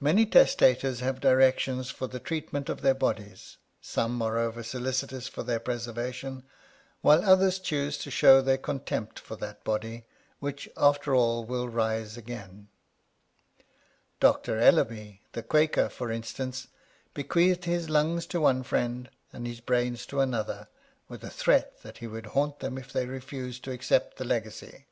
Many testators leave directions for the treatment of their bodies : some are over solicitous for their preservation, whilst others choose to show their con tempt for that body, which, after all, will rise again. Dr. Ellerby, the Quaker, for instance, bequeathed his lungs to one friend and his brains to another, with a threat that he would haunt them if they refused to 51 Curiosities of Olden Times accept the legacy.